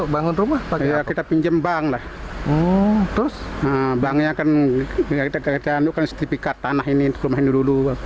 bangnya kan kita kan itu kan sertifikat tanah ini rumah ini dulu